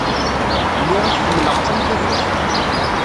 Niɣ-ak ḥemlaɣ-tt am tafat.